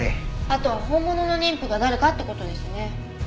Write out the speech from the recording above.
あとは本物の妊婦が誰かって事ですね。